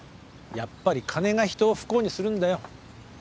やっぱり金が人を不幸にするんだよ。